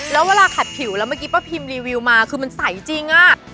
แล้วเวลาขัดผิวแล้วเมื่อกี้ป้าพิมรีวิวมาคือมันใสจริงอะ